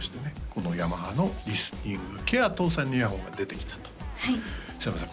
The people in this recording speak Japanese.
このヤマハのリスニングケア搭載のイヤホンが出てきたと須山さん